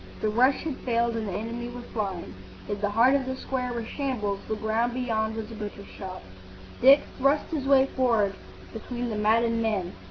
The rush had failed and the enemy were flying. If the heart of the square were shambles, the ground beyond was a butcher's shop. Dick thrust his way forward between the maddened men.